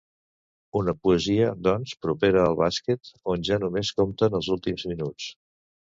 Una poesia, doncs, propera al bàsquet, on ja només compten els últims minuts.